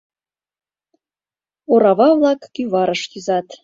Орава-влак кӱварыш кӱзат.